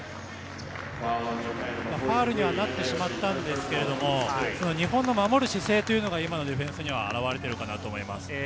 ファウルにはなってしまったんですけれども、日本の守る姿勢というのが今のディフェンスには表れているかなと思います。